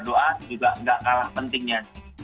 juga gak kalah pentingnya